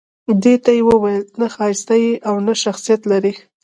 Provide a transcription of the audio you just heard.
دې ته يې وويل نه ښايسته يې او نه شخصيت لرې